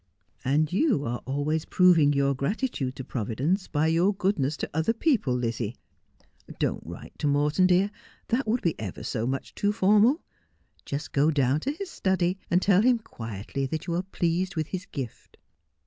' And you are always proving your gratitude to Providence by your goodness to other people, Lizzie. Don't write to Morton, dear ; that would be ever so much too formal. Just go down to his study and tell him quietly that you are pleased with his gift.'